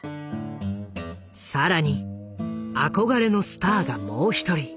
更に憧れのスターがもう一人。